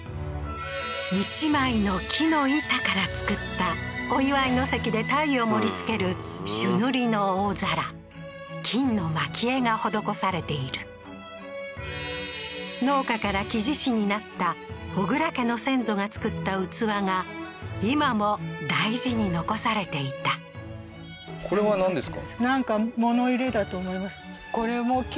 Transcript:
１枚の木の板から作ったお祝いの席で鯛を盛りつける朱塗りの大皿金のまき絵が施されている農家から木地師になった小椋家の先祖が作った器が今も大事に残されていたこれはなんですか？